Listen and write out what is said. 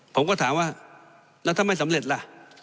ผมก็ถามว่าแล้วถ้าไม่สำเร็จล่ะ